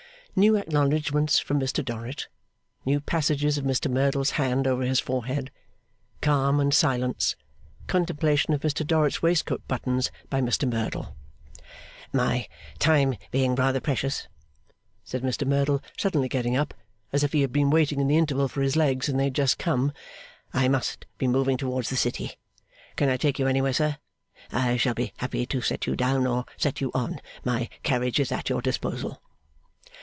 New acknowledgments from Mr Dorrit. New passages of Mr Merdle's hand over his forehead. Calm and silence. Contemplation of Mr Dorrit's waistcoat buttons by Mr Merdle. 'My time being rather precious,' said Mr Merdle, suddenly getting up, as if he had been waiting in the interval for his legs and they had just come, 'I must be moving towards the City. Can I take you anywhere, sir? I shall be happy to set you down, or send you on. My carriage is at your disposal.